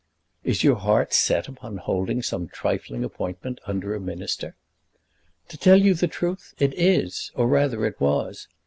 "Is your heart set upon holding some trifling appointment under a Minister?" "To tell you the truth, it is; or rather it was.